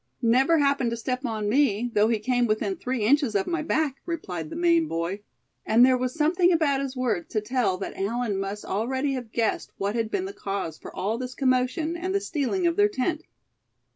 "Never happened to step on me, though he came within three inches of my back!" replied the Maine boy; and there was something about his words to tell that Allan must already have guessed what had been the cause for all this commotion, and the stealing of their tent.